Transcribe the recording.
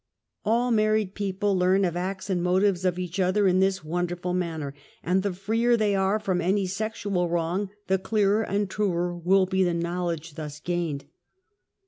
All married people learn of acts and motives of each other in this wonderful manner, and the freer 'they are from any sexual wa ong the clearer and truer will be the knowledge thus gained.